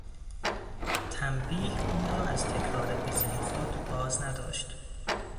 تنبیه او را از تکرار بزه خود بازنداشت.